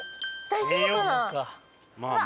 大丈夫かな？